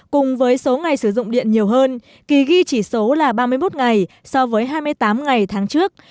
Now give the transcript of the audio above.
cùng với số ngày sử dụng điện nhiều hơn kỳ ghi chỉ số là ba mươi một ngày so với hai mươi tám ngày tháng trước